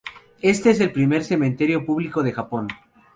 Este es el primer cementerio público de Japón.